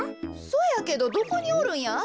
そやけどどこにおるんや？